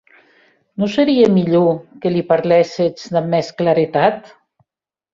Non serie mielhor que li parléssetz damb mès claretat?